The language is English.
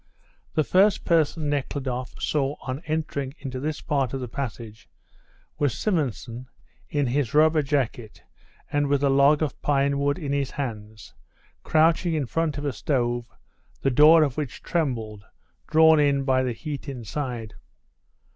The first person Nekhludoff saw on entering into this part of the passage was Simonson in his rubber jacket and with a log of pine wood in his hands, crouching in front of a stove, the door of which trembled, drawn in by the heat inside.